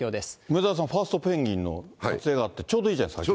梅沢さん、ファーストペンギンの撮影があって、ちょうどいいじゃないですか。